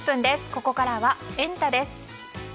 ここからはエンタ！です。